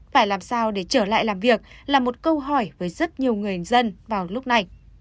phải làm sao để trở lại làm việc là một câu hỏi với rất nhiều người dân vào lúc này